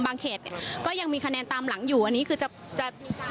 เขตเนี่ยก็ยังมีคะแนนตามหลังอยู่อันนี้คือจะจะ